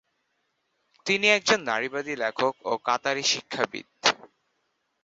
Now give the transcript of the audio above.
তিনি একজন নারীবাদী লেখক ও কাতারি শিক্ষাবিদ।